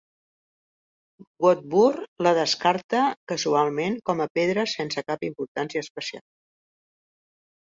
Woodburn la descarta casualment com a pedra sense cap importància especial.